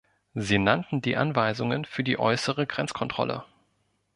Sie nannten die Anweisungen für die äußere Grenzkontrolle.